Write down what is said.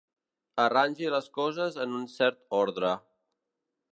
Arrangi les coses en un cert ordre.